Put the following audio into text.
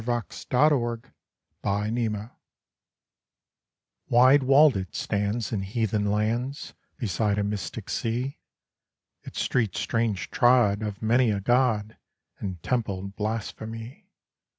THE CITY OF DARKNESS Wide walled it stands in heathen lands Beside a mystic sea, Its streets strange trod of many a god And templed blasphemy.